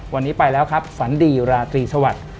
วันนี้ไปแล้วครับฝันดีราตรีสวัสดิ์